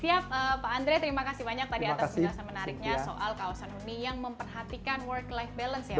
siap pak andre terima kasih banyak tadi atas penjelasan menariknya soal kawasan huni yang memperhatikan work life balance ya